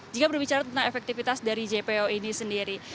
jika berbicara tentang efektivitas dari jpo ini sendiri